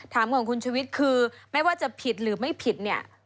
ถามของคุณชวิตคือไม่ว่าจะผิดหรือไม่ผิดเนี่ย